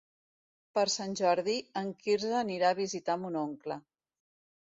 Per Sant Jordi en Quirze anirà a visitar mon oncle.